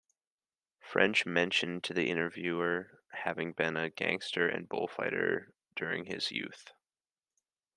French mentioned to the interviewer having been a gangster and bullfighter during his youth.